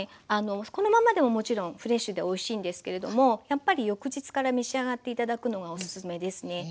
このままでももちろんフレッシュでおいしいんですけれどもやっぱり翌日から召し上がって頂くのがおすすめですね。